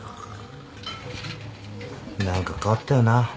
何か変わったよな。